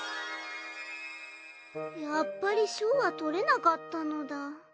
やっぱり賞はとれなかったのだ。